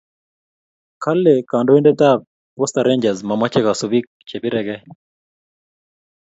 Kale kandoindet ab Post rangers momache kasubik che pirekee